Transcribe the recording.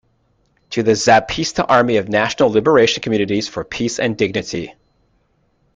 To the Zapatista Army of National Liberation communities for peace and dignity.